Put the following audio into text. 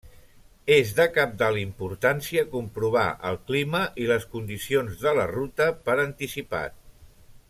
És de cabdal importància comprovar el clima i les condicions de la ruta per anticipat.